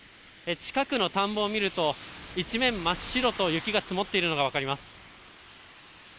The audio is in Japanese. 近くの田んぼを見ると一面真っ白と雪が積もっているのが分かります。